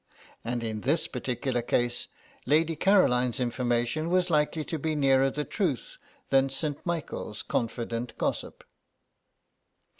And in this particular case Lady Caroline's information was likely to be nearer the truth than St. Michael's confident gossip.